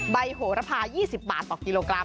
โหระพา๒๐บาทต่อกิโลกรัม